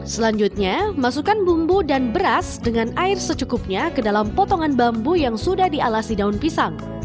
selanjutnya masukkan bumbu dan beras dengan air secukupnya ke dalam potongan bambu yang sudah dialasi daun pisang